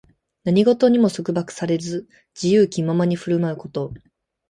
何事にも束縛されず、自由気ままに振る舞うこと。